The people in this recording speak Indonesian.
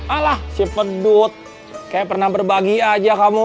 alah si pedut kayak pernah berbagi aja kamu